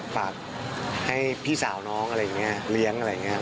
ฝากให้พี่สาวน้องอะไรอย่างนี้เลี้ยงอะไรอย่างนี้